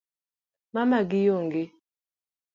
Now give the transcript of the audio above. Mamagi onge